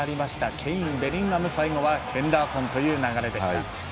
ケイン、ベリンガム最後はヘンダーソンという流れでした。